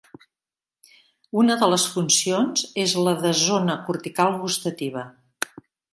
Una de les funcions és la de "zona cortical gustativa".